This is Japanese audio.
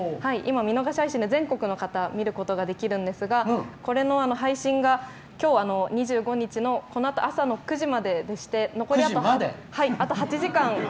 見逃し配信で全国の方が見ることができるんですがこれの配信がきょう２５日のこのあと朝の９時まででして残り、あと８時間。